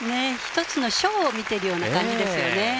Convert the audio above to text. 一つのショーを見てるような感じですよね。